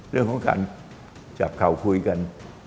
เรื่องของการจับเข่าคุยกัน